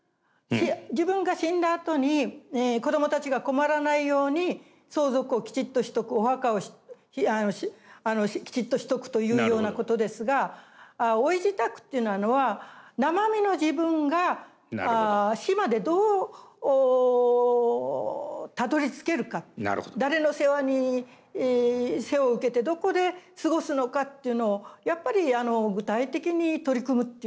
自分が死んだあとに子どもたちが困らないように相続をきちっとしとくお墓をきちっとしとくというようなことですが「老い支度」っていうのは生身の自分が死までどうたどりつけるか誰の世話に世話を受けてどこで過ごすのかっていうのをやっぱり具体的に取り組むっていう老い支度が必要だと思います。